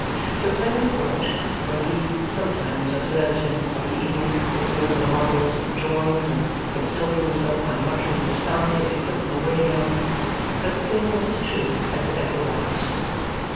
So Clennam thought, when he sometimes observed him of an evening looking over the models and drawings, and consoling himself by muttering with a sigh as he put them away again, that the thing was as true as it ever was.